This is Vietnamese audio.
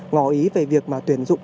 ngò ý về việc mà tuyển dụng